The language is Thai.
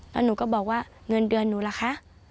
แล้วหนูก็บอกว่าเงินเดือนหนูล่ะคะ